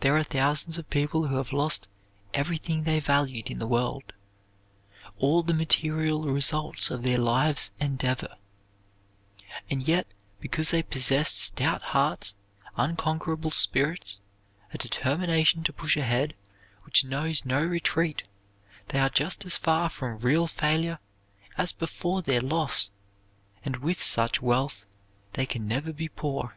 There are thousands of people who have lost everything they valued in the world, all the material results of their lives' endeavor, and yet, because they possess stout hearts, unconquerable spirits, a determination to push ahead which knows no retreat, they are just as far from real failure as before their loss; and with such wealth they can never be poor.